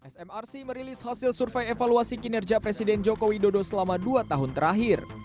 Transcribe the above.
smrc merilis hasil survei evaluasi kinerja presiden joko widodo selama dua tahun terakhir